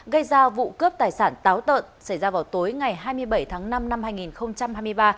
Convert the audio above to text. gây ra vụ cướp tài sản táo tợn xảy ra vào tối ngày hai mươi bảy tháng năm năm hai nghìn hai mươi ba